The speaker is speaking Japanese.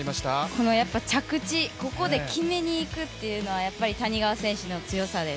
この着地ここで決めにいくというのは谷川選手の強さです。